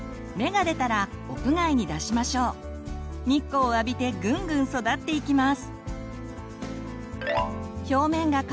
日光を浴びてグングン育っていきます。